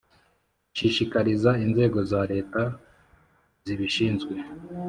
Ishishikariza inzego za Leta zibishinzwe